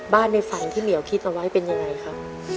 ในฝันที่เหมียวคิดเอาไว้เป็นยังไงครับ